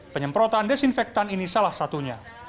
penyemprotan desinfektan ini salah satunya